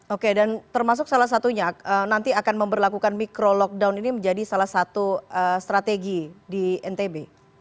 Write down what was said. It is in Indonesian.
oke dan termasuk salah satunya nanti akan memperlakukan micro lockdown ini menjadi salah satu strategi di ntb